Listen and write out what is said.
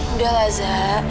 udah lah za